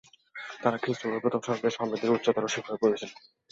তারা খ্রিস্টপূর্ব প্রথম শতাব্দীতে সমৃদ্ধির উচ্চতর শিখরে পৌঁচেছিল।